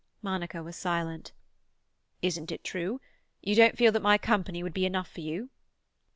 Monica was silent. "Isn't it true? You don't feel that my company would be enough for you?"